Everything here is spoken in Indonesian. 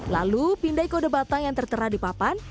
lalu pindai kode batang yang tertera di papan